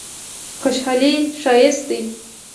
خوشحالي ښایسته دی.